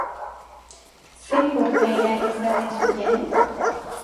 Zein portaera izaten zuten?